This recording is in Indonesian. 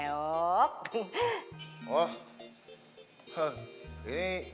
joket ya aduh